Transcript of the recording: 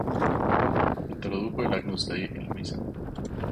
Introdujo el "Agnus Dei" en la misa.